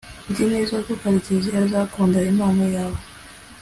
nzi neza ko karekezi azakunda impano yawe